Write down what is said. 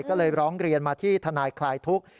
ก็เลยร้องเรียนมาที่ทนายคลายทุกข์